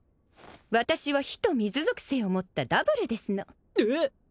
私は火と水属性を持ったダブルですのええっ！